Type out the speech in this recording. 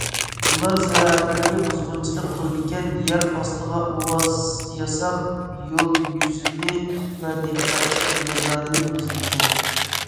ئۇلار زىرائەتلەرگە بۇزغۇنچىلىق قىلىدىكەن، يەر ئاستىغا ئۇۋا ياساپ يول يۈزىنى ۋە دېھقانچىلىق مەيدانىنى بۇزىدىكەن.